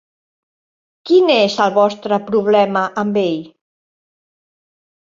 Quin és el vostre problema amb ell?